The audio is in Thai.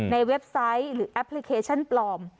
เว็บไซต์หรือแอปพลิเคชันปลอม